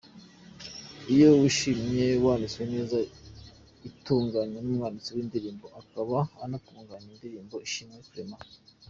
Iyo Wishimye”, yanditswe ndetse itunganywa n’umwanditsi w’indirimbo akaba anatunganya indirimbo, Ishimwe Clement.